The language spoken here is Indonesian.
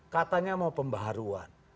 katanya mau pembaharuan